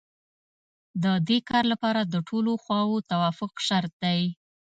د دې کار لپاره د ټولو خواوو توافق شرط دی